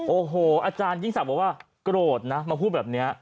โอ้โหอาจารย์ยิ่งสามารถบอกว่ากรดนะมาพูดแบบนี้